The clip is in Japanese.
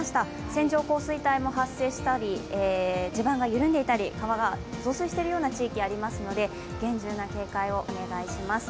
線状降水帯も発生したり、地盤が緩んでいたり川が増水している地域もありますので厳重な警戒をお願いします。